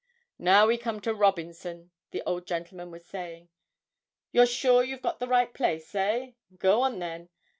'Now we come to Robinson,' the old gentleman was saying; 'you're sure you've got the right place, eh? Go on, then.